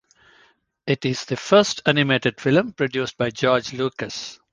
It is the first animated film produced by George Lucas.